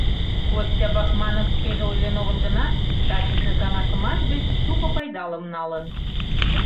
Костя Бахманов шкеже ойлен огыл гынат, тачысе каҥашымаш гыч шуко пайдалым налын.